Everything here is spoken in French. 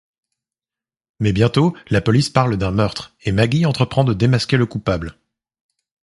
Mais bientôt, la police parle d'un meurtre et Maggie entreprend de démasquer le coupable.